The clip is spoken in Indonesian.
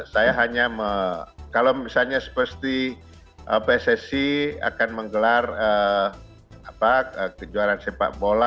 saya hanya kalau misalnya seperti pssi akan menggelar kejuaraan sepak bola